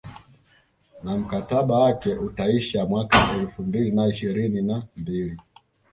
Na mkataba wake utaisha mwaka elfu mbili na ishirini na mbili